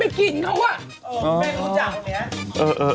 ไม่รู้จักเนี่ย